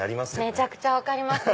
めちゃくちゃ分かります！